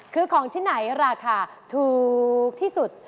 คือของที่ไหนราคาถูกที่สุด